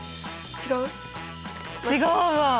違うわ。